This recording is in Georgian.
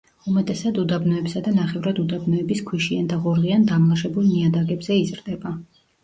უმეტესად უდაბნოებსა და ნახევრად უდაბნოების ქვიშიან და ღორღიან დამლაშებულ ნიადაგებზე იზრდება.